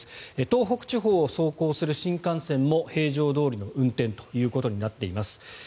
東北地方を走行する新幹線も平常どおりの運転となっています。